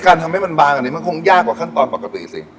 เอ๊ะการทำให้มันบางอันนี้มันคงยากกว่าขั้นตอนปกติสิ